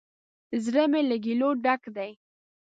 زړه می له ګیلو ډک دی